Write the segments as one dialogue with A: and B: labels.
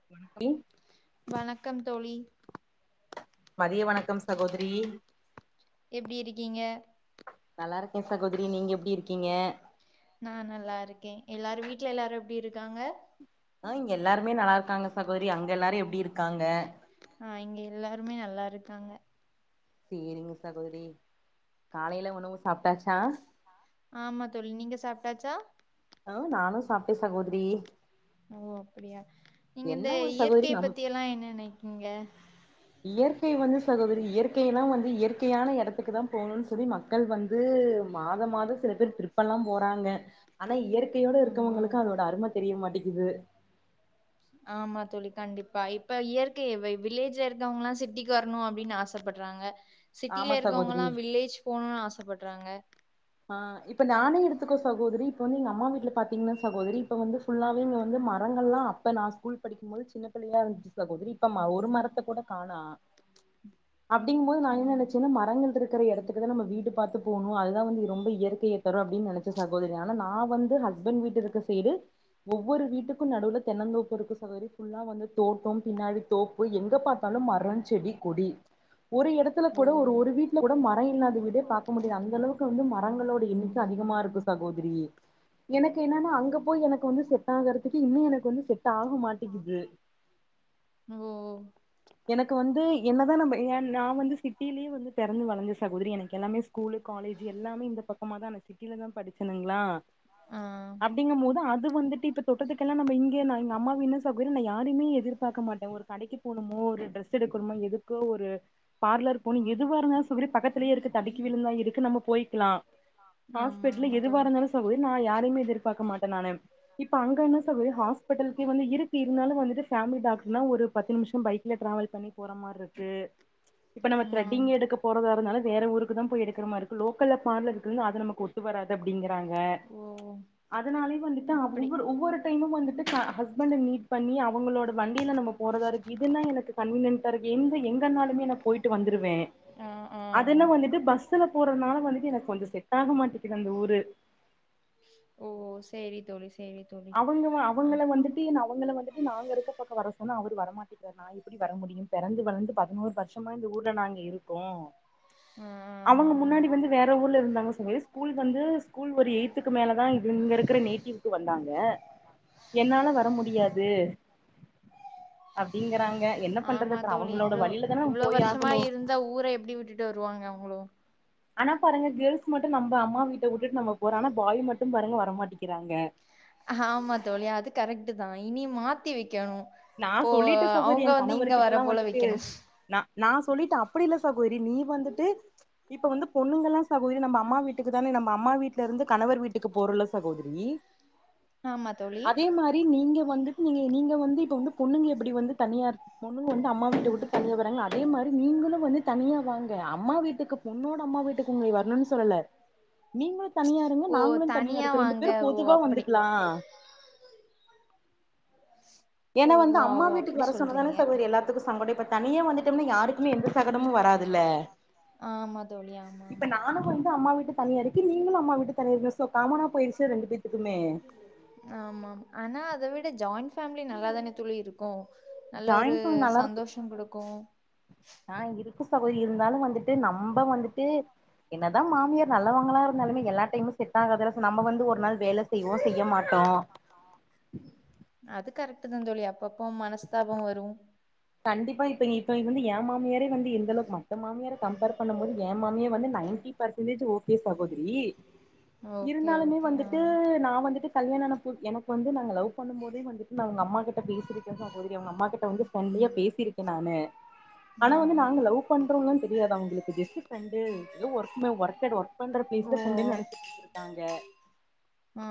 A: [unintelligible]
B: வணக்கம் தோழி
A: மதிய வணக்கம் சகோதரி
B: எப்டி இருக்கீங்க
A: நல்லா இருக்கே சகோதரி நீங்க எப்டி இருக்கிங்க
B: நா நல்லா இருக்கே எல்லாரு வீட்ல எல்லாரு எப்டி இருக்காங்க
A: ஆ இங்க எல்லாருமே நல்லா இருக்காங்க சகோதிரி அங்க எல்லாரு எப்டி இருக்காங்க
B: ஆ இங்க எல்லாருமே நல்லா இருக்காங்க
A: செரிங்க சகோதிரி காலேல உணவு சாப்ட்டாச்சா
B: ஆமா தோழி நீங்க சாப்டாச்சா
A: ஆ நானு சாப்ட்டே சகோதிரி
B: ஓ அப்டியா‌ நீங்க இந்த
A: என்ன ஒரு சகோதரி
B: இயற்கை
A: நம்
B: பத்தி எல்லா என்ன நெக்கீங்க
A: இயற்கை வந்து சகோதிரி இயற்கையெல்லா வந்து இயற்கையான எடத்துக்கு தா போணுன்னு சொல்லி மக் கள் வந்து மாத மாத சில பேர் ட்ரிப்பேல்லா போறாங்க ஆனா இயற்கையோட
B: ம்
A: இருக்கவங்களுக்கு அதோட அரும தெரிய மாட்டிகிது
B: ஆமா தோழி கண்டிப்பா இப்ப இயற்கைய வை வில்லேஜ்ல இருக்கவங்களல்லா சிட்டிக்கு வர்ணு அப்டின் ஆஸ் ஆசப்பட்றாங்க
A: ஆமா
B: சிட்டில
A: சகோதரி
B: இருக்கவங்கல்லா வில்லேஜ் போணுனு ஆசப்பட்றாங்க
A: ஆ இப்ப நானே எடுத்துக்கோ சகோதிரி இப்ப வந்து எங்க அம்மா வீட்ல பாத்தீங்ன்னா சகோதிரி இப்ப வந்து ஃபுல்லாவே வந்து மரங்கள்லா அப்ப நா ஸ்கூல் படிக்கும்போது சின்ன நறையா இருந்துச்சு சகோதிரி இப்ப ம ஒரு மரத்த கூட காணு அப்டிங்கும்போது நா என்ன
B: ம்
A: நெனச்சன்னா மரங்கள் இரு க்குற இடத்துக்குதா நம்ம வீடு பாத்து போணு அதுதா வந்து ரொம்ப இயற்கைய தரு அப்பிடின் நனச்ச சகோதரி ஆனா நா வந்து ஹஸ்பண்ட் வீட்டு இருக்குற சைடு ஒவ்வொரு வீட்டுக்கு நடுல தென்னந்தோப்பு இருக்கு சகோதரி ஃபுல்லா வந்து தோட்டம் பின்னாடி தோப்பு எங்க பாத்தா பாத்தாலு மரோ செடி கொடி ஒரு இடத்துல
B: ஓ
A: கூட ஒரு ஒரு வீட்ல கூட மர இல்லாத வீடே பாக்க முடியாது அந்த அளவுக்கு வந்து மர மரங்களோட எண்ணிக்க அதிகமா இருக்கு சகோதிரி எனக்கு என்னன்னா அங்க போய் எனக்கு வந்து செட் ஆகறதுக்கு இன்னி எனக்கு வந்து செட் ஆக மாட்டிகிது
B: ஓ
A: எனக்கு வந்து என்னதா நம்ப எ நா வந்து சிட்டிலே வந்து பெ பொறந்து வளந்து சகோதிரி எனக்கு எல்லாமே ஸ்கூலு காலேஜூ எல்லாமே இந்த பக்கமா தா நா சிட்டில தா படிச்சணுங்ளா
B: ஆ
A: அப்டிங்கம்போது அது வந்துட்டு இப்ப தொட்டத்துக்கெல்லா நம்ப இங்கே நா எ எங்க அம்மா வீட்னா சகோதிரி நா யாரியுமே எதிர்பாக்க மாட்ட ஒரு கடக்கி போனுமோ ஒரு ட்ரஸ் எடுக்கணுமோ எதுக்கோ ஒரு பார்லர் போனு எதுவா இருந்தாலு சகோதிரி பக்கத்துலயே இருக்கு தடுக்கி விழுந்தா இருக்கு நம்ம போய்க்லா
B: ஆமா
A: ஹாஸ்பிடல்லு
B: ஆமா
A: எதுவா
B: தோழி
A: இருந்தாலு சகோதிரி நா யாரையுமே எதிர்பாக்க மாட்ட நானு இப்ப அங்கன்ன சகோதரி ஹாஸ்பிட்டலுக்கு வந்து இருக்கு இருந்தாலு வந்துட்டு ஃபேமிலி டாக்டர்னா ஒரு பத்து நிமிஷோ பைக் ல ட்ரெவல் பண்ணி போற மார் இருக்கு இப்ப நம்ம
B: ம்
A: த்ரென்டிங் எடுக்க போறதா இருந்தாலு வேற ஊருக்கு தா போய் எடுக்குற மார் இருக்கு லோக்கல்ல பார்லர் இருக்குல அது நமக்கு ஒத்து வராது அப்டிங்கறாங்க
B: ஓ
A: அதனாலயே வந்துட்டு அ
B: அப்படி
A: ஒவ்வொரு ஒவ்வொரு இன்னு வந்துட்டு கா ஹஸ்பண்ட மீட் பண்ணி அவங்களோட வண்டில நம்ம போறதா இருக்கு இதுன்னா எனக்கு கன்வீன்யன்டா இருக்கு எந்த எங்கனாலுமே நா போய்ட்டு வந்துருவே
B: ம் ம்
A: அதுன்னா வந்துட்டு பஸ்சுல போறதுனால வந்துட்டு எனக்கு கொஞ்சன செட் ஆக மாட்டிக்குது அந்த ஊரு
B: ஓ செரி தோழி செரி தோழி
A: அவுங்க வ
B: ஆ
A: அவுங்கள வந்துட்டு அவுங்கள வந்துட்டு நாங்க இருக்க பக்கோ வர சொன்னா அவரு வரமாட்டிக்குறாரு நா நா எப்டி வர முடியு பெறந்து வளந்து பதினோரு வருஷமா இந்த ஊர்ல நாங்க இருக்கோ
B: ஆ ஆமா
A: அவுங்க
B: ஆமா
A: முன்னாடி வந்து வேற ஊர்ல இருந்தாங்க சொலலி ஸ்கூல் வந்து ஸ்கூல் ஒரு எய்த்துக்கு மேல தா இதுங்க இருக்குற நேட்டிவ்க்கு வந்தாங் ங்க என்னால வர முடியாது அப்டிங்கறாங்க என்ன பண்றது
B: ஆமா
A: அப்றோ
B: தோழி
A: அவங்களோட
B: இவ்ளோ
A: வழியில தான நம்ம
B: இவ்ளோ
A: போய்
B: வருஷமா
A: ஆகணு
B: இருந்த ஊர எப்டி விட்டுட்டு வருவாங்க அவுங்ளு
A: ஆனா பாருங்க கேர்ள்ஸ் மட்டு நம்ப அம்மா வீட்ட வுட்டுட்டு நம்ப போறாமா ஆனா பாய் மட்டு பாருங்க வரமாட்டேங்கிறாங்க
B: ஆமா தோழி அது கரெக்டு தா இனி மாத்தி வெக்கணு
A: நா
B: இப்போ
A: சொல்லிட்ட சகோதரி
B: அவுங்க
A: என்
B: வந்து
A: கணவர்
B: இங்க வர
A: கிட்டல்லா
B: போல
A: வந்துட்டு
B: வெக்கணு
A: நா நா சொல்லிட்ட அப்டி இல்ல சாகோதரி நீ வந்துட்டு இப்போ வந்து பொண்ணுங்கல்லா சகோதரி நம்ம அம்மா வீட்டுக்கு தான நம்ம அம்மா வீட்ல இருந்து கணவர் வீட்டுக்கு போறலோ சகோதரி
B: ஆமா தோழி
A: அதே மாரி நீங்க வந்துட்டு நீ நீங்க வந்து இப்ப வந்து பொண்ணுங்க எப்டி வந்து தனியா பொண்ணுங்க வந்து அம்மா வீட்ட வுட்டு தனியா வறாங்க அதே மாரி நீங்களு வந்து தனியா வாங்க அம்மா வீட்டுக்கு பொண்ணோட அம்மா வீட்டுக்கு உங்கள வரனுன் சொல்லல நீங்களு தனியா இருங்க
B: ஓ
A: நாங்களு தனியா இருக்குறோ ரெண்டு
B: வாங்க
A: பேரு
B: ஓ
A: பொதுவா
B: அப்படி
A: வந்துக்லா
B: ஓ
A: எனா வந்து
B: ஓ
A: அம்மா
B: ஓ
A: வீட்டுக்கு
B: அப்படி
A: வர சொன்னாதானே
B: சொல்றீங்க
A: சகோதரி எல்லாத் த்துக்கு சங்கடம் இப்ப தனியா வந்துட்டம்னா யாருக்குமே எந்த சங்கடமு வராதுல்ல
B: ஆமா தோழி ஆமா
A: இப்ப
B: ஆமா
A: நானு வந்து அம்மா விட்டு தனியா இருக்க நீங்களு அம்மா விட்டு தனியா இருங்க சோ காமனா போயிருச்சு ரெண்டு பேத்துக்குமே
B: ஆமாம் ஆனா அத விட ஜாயிண்ட் ஃபேம்லி நல்லாதான தோழி இருக்கு நல்ல ஒரு
A: ஜாயின் ஃபேமிலி நல்லா இருக்கு
B: சந்தோஷோ குடுக்கு
A: ஆ இருக்கு சகோதரி இருந்தாலு வந்துட்டு நம்ப வந்துட்டு என்னதா மாமியார் நல்லவங்களா இருந்தாலுமே எல்லா டைமும் செட் ஆகாது இல்ல நம்ம வந்து ஒரு நாள் வேலை செய்வோ செய்ய மாட்டோ
B: அது கரெக்ட்டு தான தோழி அப்பப்ப மனஸ்தாபோ வரு
A: கண்டிப்பா இப்ப இப்ப இது வந்து ஏன் மாமியாரே வந்து எந்தளவுக்கு மற்ற மாமியார கம்பேர் பண்ணும்போது ஏன் மாமியார் வந்து நைன்டி பர்சன்டேஜ் ஓகே சகோதரி
B: ஓகே,
A: இருந்தாலுமே
B: ஓகே. ஆ.
A: வந்துட்டு நா வந்துட்டு கல்யாணோ ஆன புத் எனக்கு வந்து நாங்க லவ் பண்ணும் போதே வந்துட்டு நா அவங்க அம்மா கிட்ட பேசிருக்கே சகோதரி அவங்க அம்மா கிட்ட வந்து ஃபிரண்டிலியா பேசியிருக்கே நானு
B: ஆ.
A: ஆனா வந்து நாங்க லவ் பண்றோல்லா தெரியாது அவங்களுக்கு ஜஸ்ட் ஃபிரெண்டு எதோ ஒர்க் ஒர்க்டெட் ஒர்க் பண்ற
B: ஓ!
A: பிளேஸ்ல ஃபிரெண்டு நெனைச்சிட்டுருந்து இருக்காங்க
B: ஆ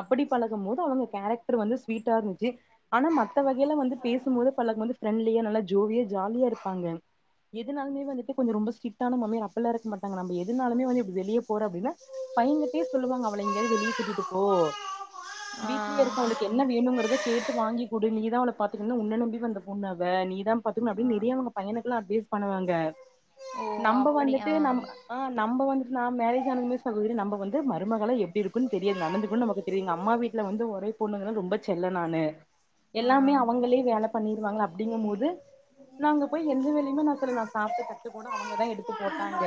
A: அப்படி பழகும் போது அவங்க கேரக்டர் வந்து ஸ்வீட்டா இருந்துச்சு ஆனா மத்த வகையில வந்து பேசும்போது பழகும் போது வந்து ஃபிரெண்ட்லியா நல்லா ஜோவியா ஜாலியா இருப்பாங்க எதுனாலுமே வந்துட்டு கொஞ்ச ரொம்ப ஸ்ட்ரிட்டான மாமியார் அப்பில்லா இருக்க மாட்டங்க நம்ம எதுனாலுமே வந்து இப்ப வெளிய போற அப்டின்னா பையங்கிட்டயே சொல்லுவாங்க அவள எங்கயாவது வெளியே கூட்டிட்டு போ
B: ஆ.
A: வீட்லயே இருக்காளே என்ன வேணுங்கிறத கேட்டு வாங்கிகுடு நீதா அவள பாத்துகனு உன்ன நம்பி வந்த பொண்ணு அவ நீதா பாத்துக்கனு
B: ஆ.
A: அப்டின்னு நெறைய அவங்க பையனுக்கெல்லா அட்வைஸ் பண்ணுவாங்க
B: ஓ!
A: நம்ம
B: அப்படி.
A: வந்துட்டு
B: ஆ.
A: நம்ம ஆ நம்ப வந்துட்டு நா மேரேஜ் ஆனதுமே சகோதரி நம்ம வந்து மருமகளா எப்டி இருக்குன்னு தெரியாது நடந்து க்கனு நமக்கு தெரியும்ங்க அம்மா வீட்டல வந்து ஒரே பொண்ணுங்க ரொம்ப செல்லோ நானு எல்லாமே அவங்களே வேல பண்ணிருவாங்க அப்டிங்கம் போது நா அங்க போய் எந்த வேலயுமே நா செய்ல நா சாப்பிட்ட தட்டு கூட அவங்கதா எடுத்து போட்டாங்க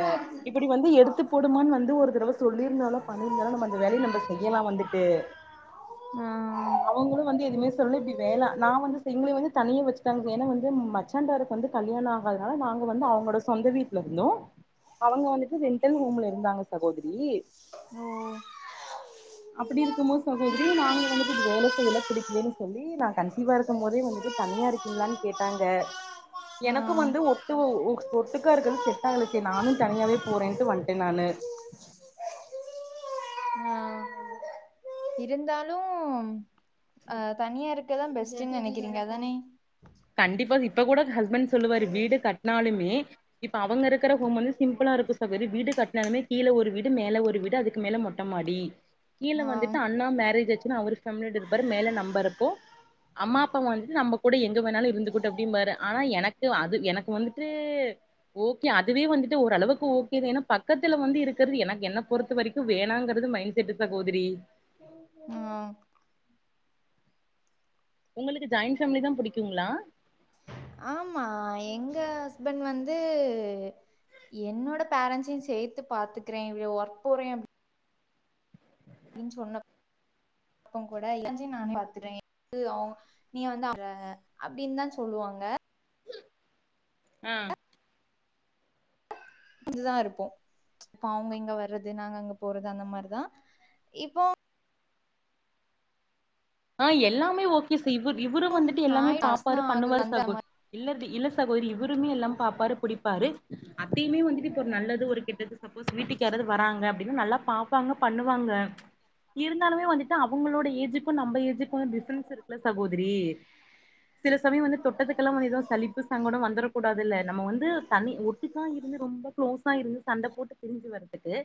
A: இப்படி வந்து எடுத்து
B: ஆ.
A: போடுமான்னு வந்து ஒரு தரவ சொல்லிருந்தாலோ பண்ணிருந்தாலோ நம்ம அந்த வேலைய நம்ப செய் யலா வந்துட்டு
B: ஆ
A: அவங்களு வந்து எதுமே சொல்லி இப்டி வேலை நா வந்து எங்கள வந்து தனியா வெச்சுட்டாங்க ஏனா வந்து மச்சான்டாருக்கு வந்து கல்யாண அதனால நாங்க வந்து அவங்களோட சொந்த வீட்ல இருந்தோ அவங்க வந்துட்டு ரென்டல் ரூம்ல இருந்தாங்க சகோதரி
B: ஓ
A: அப்படி இருக்கும் போது சகோதரி நாங்க வந்துட்டு இது வேலை செய்யல புடிக்கலன்னு சொல்லி நா கன்சீவா இருக்கும் போதே வந்துட்டு தனியா இருக் கீங்களான் கேட்டாங்க எனக்கு வந்து ஒட்டு ஒ ஒட்டுக்கா இருக்கிறது செட் ஆகல செரி நானு தனியாவே போறேன்ட்டு வந்ட்டே நானு
B: ஆ இருந்தாலு அ தனியா இருக்கறதா பெஸ்ட்டுன்னு நெனைக்கிறீங்க அதானே
A: கண்டிப்பா இப்ப கூட ஹஸ்பண்ட் சொல்லுவாரு வீடு கட்னாலுமே இப்ப அவங்க இருக்கிற ஹோம் வந்து சிம்பிளா இருக்கு சகோதரி வீடு கட்னாலுமே கீழ ஒரு வீடு மேல ஒரு வீடு அதுக்கு மேல மொட் ட மாடி கீழ
B: ஆ
A: வந்துட்டு அண்ணா மேரேஜ் ஆச்சுன்னு அவரு ஃபேம்லியோட இருப்பாரு மேல நம்பருப்போ அம்மா அப்பா வந்துட்டு நம்ப கூட எங் க வேனாலு இருந்துக்குட்டு அப்டின் பாரு ஆனா எனக்கு அது எனக்கு வந்துட்டு ஓகே அதுவே வந்துட்டு ஓரளவுக்கு ஓகே தா ஏனா பக்கத்துல வந்து இருக்கறது எனக் என்ன பொறுத்த வரைக் கு வேணாங்கறது மைண் செட்டு சகோதரி
B: ஹா
A: உங்களுக்கு ஜாயிண் ஃபேம்லி தா புடிக்குங்ளா
B: ஆமா ஆ எங்க ஹஸ்பண்ட் வந்து என்னோட பரன்ட்ஸையும் சேத்து பாத்துக்குறே ஒர்க் போறே அப்டின் சொன்னப்ப கூட எல்லாத்தையு நானே பாத்துக்குறே அவுங்க நீ வந்து அங்க அப்டின் தா சொல்லுவாங்க
A: ஆ
B: இதுதா இருப்போ அவங்க இங்க வர்றது நாங்க அங்க போறது அந்த மாரிதா இப்போ
A: ஆ எல்லாமே ஓகே சி இவரும் வந்துட்டு எல்லாமே
B: நான்
A: பாப்பாரு
B: தான் ஆகுது
A: பண்ணுவாரு
B: அந்த
A: சகோ
B: மாரி
A: இல்லது இல்ல சகோதிரி இவருமே எல்லாம் பாப்பாரு புடிப்பாரு அத்தையுமே வந்துட்டு இப்ப ஒரு நல்லது ஒரு கெட்டது சப்போஸ் வீட்டுக்காராது வராங்க அப்டின்னா நல்லா பாப்பாங்க பண்ணுவாங்க
B: [unintelligible]
A: இருந்தாலுமே வந்துட்டு அவங்களோட ஏஜ்க்கும் நம்ம ஏஜ்க்கும் டிஃப்ரன்ஸ் இருக்குல சகோதரி சில சமயம் வந்து தொட்டத்துக்கெல்லாம் வந்து எதுவும் சலிப்பு சங்கடம் வந்துட கூடாதுல்ல நம்ம வந்து தனி இதுக்கா இருந்து ரொம்ப க்ளோஸா இருந்து சண்ட போட்டு பிரிஞ்சு வரதுக்கு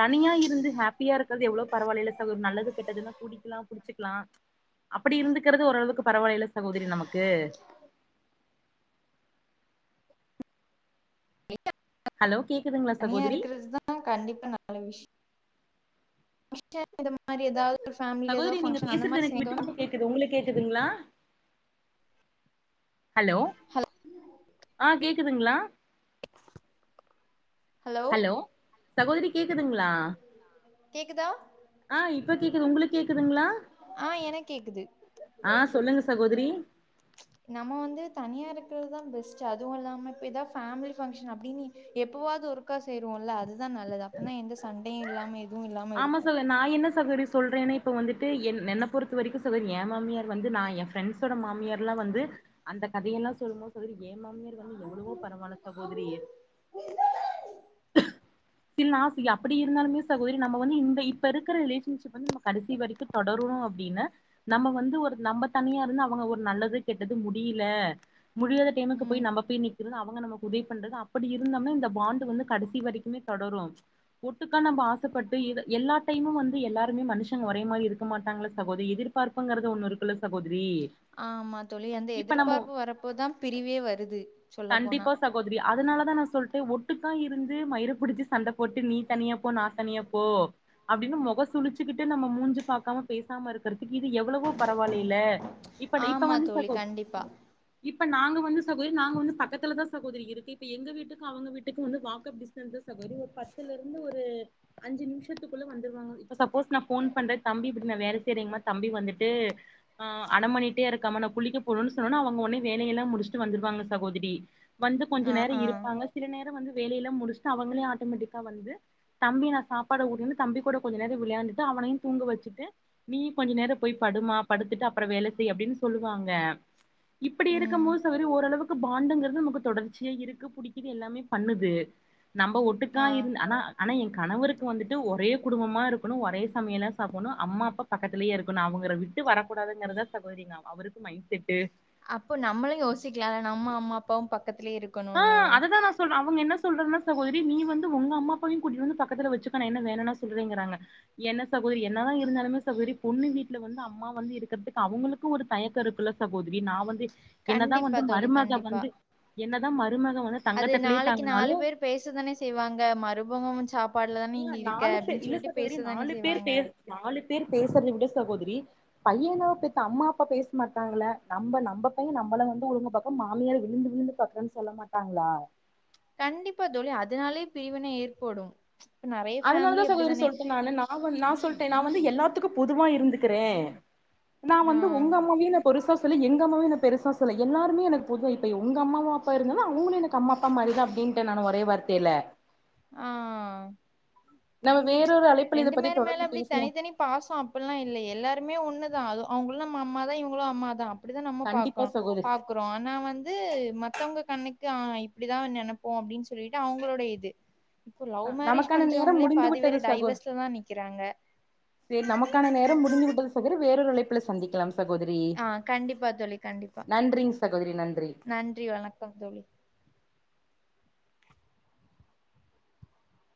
A: தனியா இருந்து ஹாப்பியா இருக்கறது எவ்ளோ பரவாயில்ல சகோ நல்லது கெட்டதுன்னா கூடிக்கலாம் அப்டி இருந்துக்கறது ஓரளவுக்கு பரவாயில்ல சகோதரி நமக்கு ஹலோ கேக்குதுங்களா
B: தனியா
A: சகோதரி
B: இருக்கறது தா கண்டிப்பா நல்ல விஷ் மிஷ்டர் இந்த மாரி ஏதாது ஃபேமிலில ஏதாது ஃபங்க்ஷன் அந்த மாதி சேர்தோம்னா
A: கிது உங்களுக் கேக்குதுங்ளா ஹலோ ஆ கேக்குதுங்ளா
B: ஹலோ சகோதரி கேக்குதுங்ளா கேக்குதா
A: ஆ இப்ப கேக்குது உங்களுக்கு கேக்குதுங்ளா
B: ஆ எனக்கு கேக்குது
A: ஆ சொல்லுங்க சகோதிரி
B: [inaudible] நம்ம வந்து தனியா இருக்குறதுதா பெஸ்ட் அதுவும் இல்லாம இப்ப ஏதாவ் ஃபேமிலி ஃபங்க்ஷன் அப்டின்னு எப்பவாவது ஒருக்கா சேருவோம்ல அதுதா நல்லது அப்பதா எந்த சண்டயு இல்லாம எதுவும் இல்லாம
A: ஆமா
B: இருக்கும்.
A: சொல்லு நா என்ன சகோதரி சொல்றேன் இப்ப வந்துட்டு என் என்ன பொறுத்த வரைக்கு சகோதரி ஏ மாமியார் வந்து நா எ ஃப்ரெண்ட்ஸோட மாமியார்லா வந்து அந்த கதையெல்லா சொல்லுமோ சொலி ஏ மாமியார் வந்து எவ்ளவோ பரவால சகோதரி
B: [inaudible]
A: தில்னா ஃபிரியா அப்டி இருந்தாலுமே சகோதரி நம்ம வந்து இந்த இப்ப இருக்கற ரிலேஷன்ஷிப் வந்து நம்ம கடைசி வரைக்கு தொடரணூ அப்டின்னு நம்ம வந்து ஒரு நம்ம தனியா இருந்து அவங்க ஒரு நல்லது கெட்டது முடியல முடியத தேமக்கு
B: ம்.
A: போய் நம்ம போய் நிக்குறது அவங்க நமக்கு உதவி பண்றது அப்டி இருந்தாமே இந்த பாண்டு வந்து கடைசி வரைக்குமே தொடரூ ஒட்டுக்கான நம்பாச த்து பட்டு இது எல்லா டைமும் வந்து எல்லாருமே மனுஷங்க ஒரே மாறி இருக்க மாட்டாங்கள சாகோதி எதிர் பார்புங்கறது ஒன்னு இருக்குல சகோதரி
B: ஆமா தோழி அந்த
A: இப்ப நம்ம
B: எதிர்பார்ப்பு வரப்பதா பிரிவே வருது சொல்ல போனா
A: போதிரி அதனால தா நா சொல்ட்டே ஒட்டுக் கா இருந்து மயிரு பிடிச்சு சண்ட போட்டு நீ தனியா போ நா தனியா போ அப்டின்னு முக சுழிச்சுக்கிட்டு நம்ம மூஞ்சு பாக்காம பேசாம இருக்குறதுக்கு இது எவ்ளவோ பரவாயில்லல இப்ப இப்ப
B: ஆமா
A: வந்து
B: தோழி
A: சகோ
B: கண்டிப்பா.
A: இப்ப நாங்க வந்து சகோதரி நாங்க வந்து பக்கத்துல தான் சகோதரி இருக்கு இப்ப எங்க வீட்டுக்கு அவங்க வீட்டுக்கும் வாக்கு ல்லு சகோரி ஒரு பத்துல இருந்து ஒரு அஞ்சு நிம்ஷத்துக்குள்ள வந்துருவாங்க இப்ப சப்போஸ் நா ஃபோன் பண்றே தம்பி இப்டி நா வேல செய்றங்மா தம்பி வந்துட்டு ஆ அடம்பண்ணிட்டே இருக்காம நா குளிக்க போனுனு சொன்னன்னா அவங்க ஒடனே வேலையெல்லா முடிச்சுட்டு வந்துடுவாங்க சகோதரி வந்து கொஞ்ச
B: ஆ,
A: நேரோ
B: ஆ.
A: இருப்பாங்க சில நேரோ வந்து வேலையெல்லா முடிச்ட்டு அவங்களே ஆட்டமெட்டிக்கா வந்து தம்பி நா சாப்பாட ஊட்டின்னு தம்பி கூட கொஞ்ச நேரோ விளயாண்டுட்டு அவனையு தூங்க வச்சிட்டு நீ கொஞ்ச நேரோ போய் படுமா படுத்துட்டு அப்றோ வேலை செய் அப்டின்னு சொல்லுவாங்க இப்டி இருக்கும்
B: ம்.
A: போது சரி ஓரளவுக்கு பாண்டுங்கறது நமக்கு தொடர்ச்சியா இருக்க புடிக்குது எல்லாமே பண்ணுது நம்ப ஒட்டுக்கா
B: ஆ.
A: இரு ஆனா ஆனா என் கணவருக்கு வந்துட்டு ஒரே குடும்பமா இருக்ணு ஒரே சமையலா சாப்புட்ண்ணு அம்மா அப்பா பக்கத்துலயே இருக்கணு அவங்க ரெண் ட்டு வரக்கூடாதுங்றத சகோதரி அவருக்கு மைண் செட்டு
B: அப்போ நம்மளு யோசிக்லால நம்ம அம்மா அப்பாவு பக்கத்திலியே இருக்
A: ஆ அததா நா சொ சொல் அவுங்க என்ன சொல்றாங்கனா சகோதரி நீ வந்து உங்க அம்மா அப்பாவையு கூட்டிட்டு வந்து பக்கத்துல வச்சுக்க நா என்ன வேணானா சொல்றேங்கிறாங்க என்ன சகோதரி என்னதா இருந்தாலுமே சகோதரி பொண்ணு வீட்ல வந்து அம்மா வந்து இருக்ற்துக்கு அவங்களுக் ஒரு தயக்கோ இருக்குல்ல சகோதரி நா வந்து என்னதா
B: கண்டிப்பா
A: வந்து
B: தோழி,
A: மருமக
B: கண்டிப்பா.
A: வந்து என்னதா மருமக வந்து
B: அது
A: தங்கத்தட்டுலயே
B: நாளைக்கு
A: தாங்குனாலு
B: நாலு பேரு பேசதானே செய்வாங்க மருபகோ சாப் பாட்லதான நீ இங்க
A: ஏங்க
B: இருக்க
A: நாலு பேர்
B: அப்டின்னு
A: இல்ல
B: சொல்லிட்டு
A: சகோதரி
B: பேசதானே
A: நாலு பேர்
B: செய்வாங்க
A: பே நாலு பேரு பேசுறத விட சகோதரி பையன பெத்த அம்மா அப்பா பேச மாட்டாங்கள நம்ப நம்ப பைய நம்பள வந்து ஒழுங்க பாக்க மாமியார விழுந்து விழுந்து பாக்ரனு சொல்ல மாட்டாங்ளா
B: கண்டிப்பா தோழி அதனாலே பிரிவினை ஏற்படு இப்ப நெறைய
A: அதனாலதா
B: ஃபேமிலி
A: சகோதரி
B: அப்டிதானே
A: சொல்ட்டே நானு நா நா சொல்ட்ட நா வந்து எல்லாத்துக்கு பொதுவா இருந்துக்குற நா
B: ஆ
A: வந்து உங்க அம்மாவியு பொருசா சொல்லி எங்க அம்மாவையு நா பெருசா சொல்ல எல்லாருமே எனக்கு பொது இப்ப உங்க அம்மாவ அப்பாவ அவங்களு எனக்கு அம்மா அப்பா மாறிதா அப்டின்ட்ட நானு ஒரே வார்த்தையில
B: ஆ
A: நம்ம வேறொரு அலை
B: ரெண்டு மேர் மேல எப்டி தனித்தனி பாசோ அப்பில்லா இல்ல எல்லாருமே ஒண்ணுதா அது அவங்களுநம் அம்மா தா இவங்களு அம்மா தா அப்டிதா நம்ம பாக்கோ
A: கண்டிப்பா சகோதரி
B: பாக் ஆனா வந்து மத்தவங்க கண்ணுக்கு ஆனா இப்டிதா நெனப்போ அப்டின்னு சொல்லிட்டு அவுங்ளோட இது இப்போ லவ் மேரஜ்
A: நமக்கான நேரம்
B: பண்றவங்ளே
A: முடிந்து விட்டது
B: பாதிபேறு டைவஸ்லதா நிக்கிறாங்க
A: சரி நமக்கான நேரோ முடிந்துவிட்டது சகோதரி வேறொரு அலைப்புல சந்திக்கலா சகோதரி
B: ஆ கண்டிப்பா தோழி, கண்டிப்பா.
A: நன்றிங் சகோதரி நன்றி
B: நன்றி வணக்கம் தோழி.